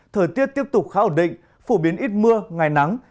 thời tiết tiếp tục khá ổn định phổ biến ít mưa ngày nắng